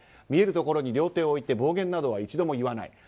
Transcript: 見えるところに両手を置いて暴言などは一度も言わない。